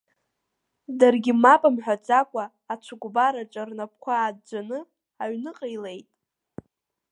Даргьы мап мҳәаӡакәа, ацәыкәбар аҿы рнапқәа ааӡәӡәаны, аҩныҟа илеит.